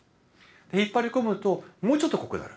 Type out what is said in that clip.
引っ張り込むともうちょっと濃くなる。